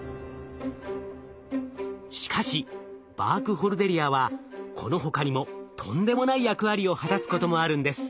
しかしバークホルデリアはこの他にもとんでもない役割を果たすこともあるんです。